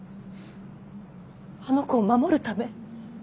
あの子を守るため。